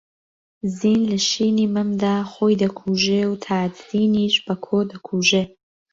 زین لە شینی مەمدا خۆی دەکوژێ و تاجدینیش بەکۆ دەکوژێ